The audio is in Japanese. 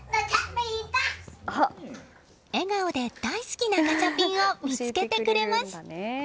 笑顔で大好きなガチャピンを見つけてくれます。